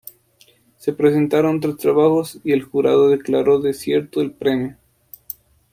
Se presentaron tres trabajos y el jurado declaró desierto el premio.